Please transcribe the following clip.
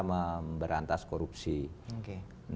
memberantas korupsi oke